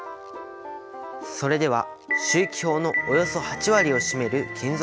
それでは周期表のおよそ８割を占める金属元素。